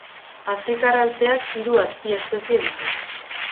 Afrikar altzeak hiru azpiespezie ditu.